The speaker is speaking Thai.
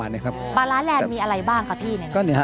บาร้าแลนด์มีอะไรบ้างคะพี่